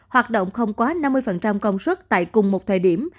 hoạt động không quá năm mươi công suất tại cùng một thời điểm